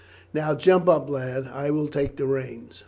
"Now jump up, lad; I will take the reins.